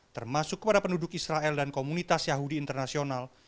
termasuk kepada penduduk israel dan komunitas yahudi internasional